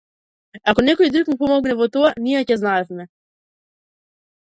Ако некој друг му помогне во тоа, ние ќе знаеме.